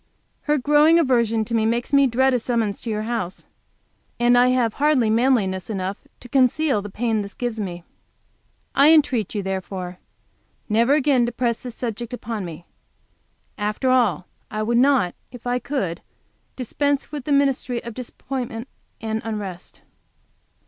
Her growing aversion to me makes me dread a summons to your house, and I have hardly manliness enough to conceal the pain this gives me. I entreat you, therefore, never again to press this subject upon me. After all, I would not, if I could, dispense with the ministry of disappointment and unrest.